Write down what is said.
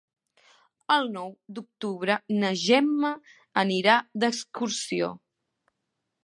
El nou d'octubre na Gemma anirà d'excursió.